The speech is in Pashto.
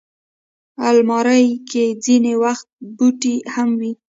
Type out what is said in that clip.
الماري کې ځینې وخت بوټي هم وي